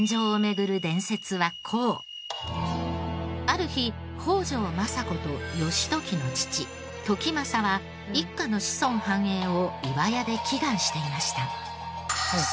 ある日北条政子と義時の父時政は一家の子孫繁栄を岩屋で祈願していました。